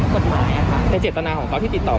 ก็คือเอาแบบนั้นที่สุด